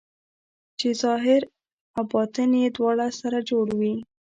چې ظاهر او باطن یې دواړه سره جوړ وي.